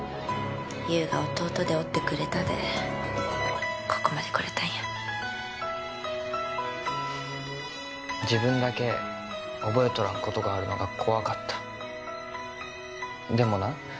優が弟でおってくれたでここまでこれたんや自分だけ覚えとらんことがあるのが怖かったでもな